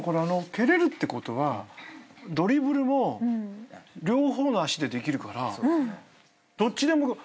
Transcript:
蹴れるってことはドリブルも両方の足でできるからどっちでも抜けていけるんだよね。